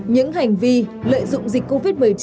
những hành vi lợi dụng dịch covid một mươi chín